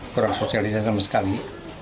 kurang sosialisasi sama sekali